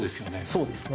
そうですね。